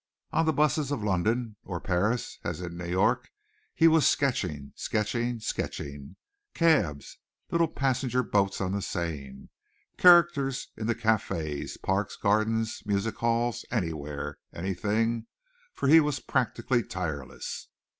On the busses of London or Paris, as in New York, he was sketching, sketching, sketching cabs, little passenger boats of the Seine, characters in the cafes, parks, gardens, music halls, anywhere, anything, for he was practically tireless.